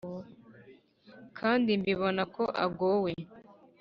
Kandi mbibona ko agowe